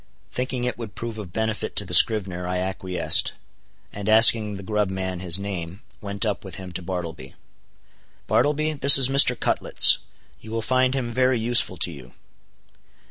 Thinking it would prove of benefit to the scrivener, I acquiesced; and asking the grub man his name, went up with him to Bartleby. "Bartleby, this is Mr. Cutlets; you will find him very useful to you."